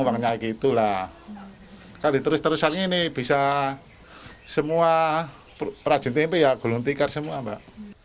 uangnya gitu lah kali terus terusan ini bisa semua perajin tempe ya gulung tikar semua mbak